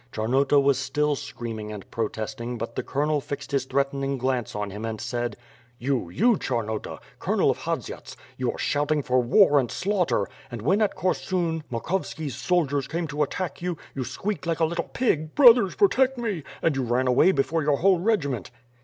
Charnota was still scream ing and protesting but the colonel fixed his threatening glance on him and said: "You, you, Charnota, Colonel of Hadziats, you are shout ing for war and slaughter, and, when at Korsuu Dmokhov ski's soldiers came to attack you, you squeaked like a little pig, ^Brothers, protect me!' and you ran away before your whole regiment."